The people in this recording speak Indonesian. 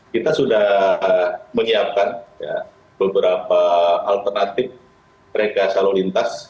kita sudah menyiapkan beberapa alternatif reka salur lintas